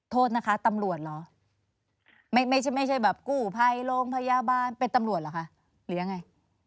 โทษนะคะตำรวจเหรอไม่ใช่ไม่ใช่แบบกู้ภัยโรงพยาบาลเป็นตำรวจเหรอคะหรือยังไง